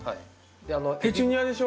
ペチュニアでしょ？